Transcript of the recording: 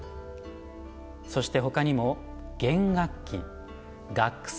そしてほかにも絃楽器楽箏